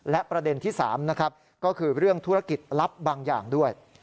และประเด็นที่๓นะครับก็คือเรื่องธุรกิจลับบางอย่างด้วย